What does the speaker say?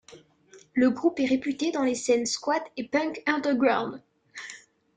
Le groupe est réputé dans les scènes squat et punk underground.